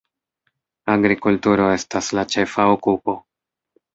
Agrikulturo estas la ĉefa okupo.